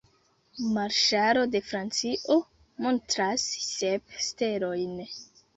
Marŝalo de Francio montras sep stelojn.